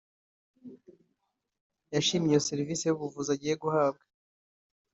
yashimye iyo serivisi y’ubuvuzi agiye guhabwa